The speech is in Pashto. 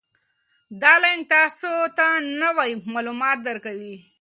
دا لینک تاسي ته نوي معلومات درکوي.